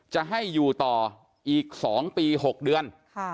จะให้อยู่ต่ออีก๒ปี๖เดือน